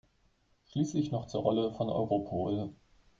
Schließlich noch zur Rolle von Europol.